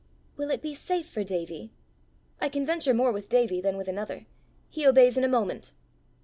"Will it be safe for Davie?" "I can venture more with Davie than with another: he obeys in a moment."